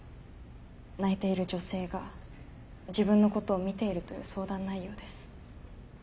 泣いている女性が自分のことを見ているという相談内容です。